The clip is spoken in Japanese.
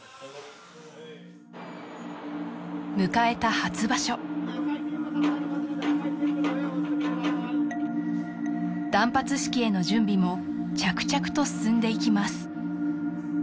迎えた初場所断髪式への準備も着々と進んでいきます